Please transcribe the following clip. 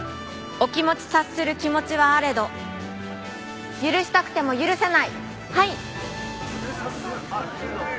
お気持ち察する気持ちはあれど許したくても許せない！